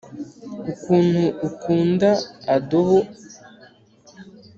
ukuntu ukunda adobo.